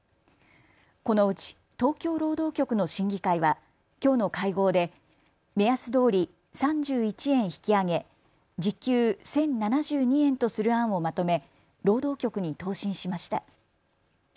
このうち東京労働局の審議会はきょうの会合で目安どおり３１円引き上げ時給１０７２円とする案をまとめ労働局に答申しました。